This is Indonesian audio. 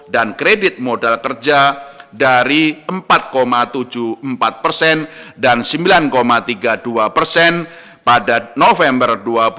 dan kredit modal kerja dari empat tujuh puluh empat dan sembilan tiga puluh dua pada november dua ribu dua puluh